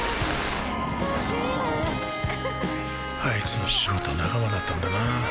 あいつも仕事仲間だったんだな。